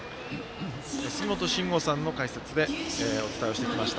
杉本真吾さんの解説でお伝えをしてきました。